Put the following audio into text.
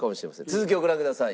続きをご覧ください。